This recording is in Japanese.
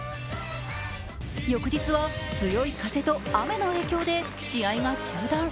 翌日は、強い風と雨の影響で試合が中断。